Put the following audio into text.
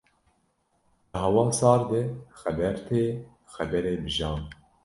Di hawa sar de xeber tê, xeberê bi jan.